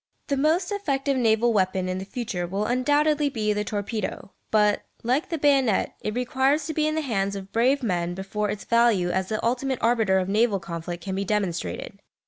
The most effective naval weapon in the future will undoubtedly be the torpedo, but, like the bayonet, it requires to be in the hands of brave men before its value as the ultimate arbiter of naval conflict can be demonstrated.